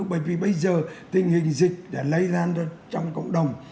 bởi vì bây giờ tình hình dịch đã lây lan trong cộng đồng